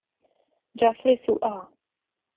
Geoffrey Su'a